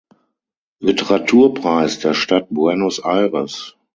Literaturpreis der Stadt Buenos Aires.